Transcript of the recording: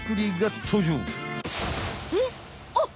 えっ？